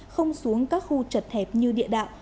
không xuống các khu chật hẹp như địa đạo